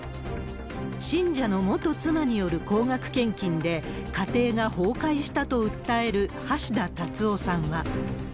信者の元妻による高額献金で、家庭が崩壊したと訴える橋田達夫さんは。